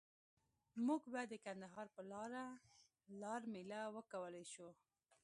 مونږ به د کندهار په لاره لار میله وکولای شو.